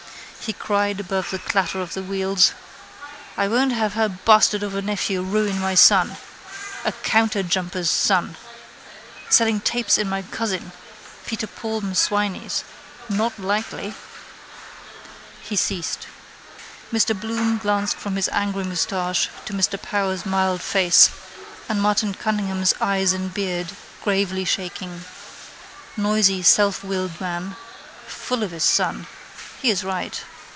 He cried above the clatter of the wheels: —I won't have her bastard of a nephew ruin my son. A counterjumper's son. Selling tapes in my cousin, Peter Paul M'Swiney's. Not likely. He ceased. Mr Bloom glanced from his angry moustache to Mr Power's mild face and Martin Cunningham's eyes and beard, gravely shaking. Noisy selfwilled man. Full of his son. He is right.